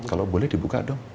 kalau boleh dibuka dong